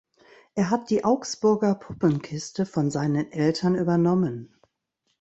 Er hat die Augsburger Puppenkiste von seinen Eltern übernommen.